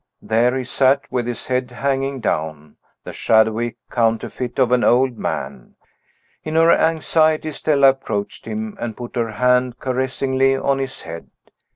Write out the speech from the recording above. There he sat, with his head hanging down, the shadowy counterfeit of an old man. In her anxiety, Stella approached him, and put her hand caressingly on his head.